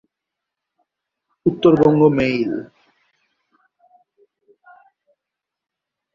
Uttarbanga mail